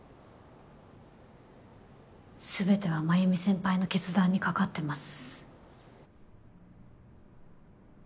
すべては繭美先輩の決断にかかってます。